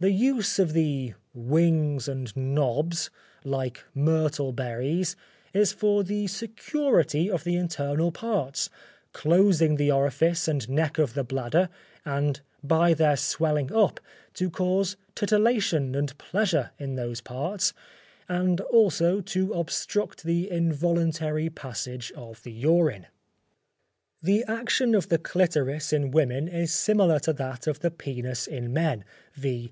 The use of the wings and knobs, like myrtle berries, is for the security of the internal parts, closing the orifice and neck of the bladder and by their swelling up, to cause titillation and pleasure in those parts, and also to obstruct the involuntary passage of the urine. The action of the clitoris in women is similar to that of the penis in men, viz.